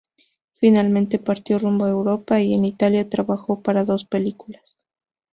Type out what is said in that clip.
Finalmente, partió rumbo a Europa, y en Italia trabajó para dos películas.